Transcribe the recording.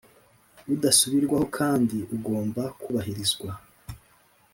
Udasubirwaho kandi ugomba kubahirizwa